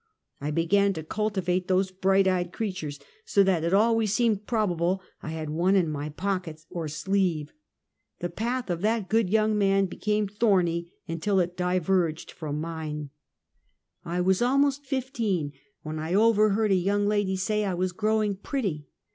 I began to cultivate those bright eyed creatures, so that it always seemed probable I had one in my pocket or sleeve. The path of that good young man became thorny until it di verged from mine. 3 34 Half a Century. I was almost fifteen, when I overheard a young lady say I was growing pretty.